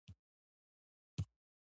علي خپل کارونه په خپل لاس ترسره کوي.